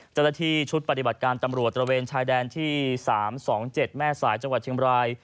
เจ้าหน้าที่ชุดปฏิบัติการตำรวจตระเวนชายแดนที่๓๒๗แม่สายจังหวัดเชียงบราย